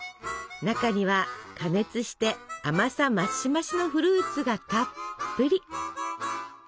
中には加熱して甘さ増し増しのフルーツがたっぷり。